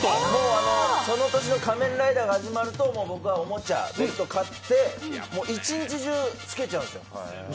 その年の仮面ライダーが始まると、僕はおもちゃをずっと買って、一日中つけちゃうんですよ。